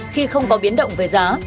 khi không có biến động về giá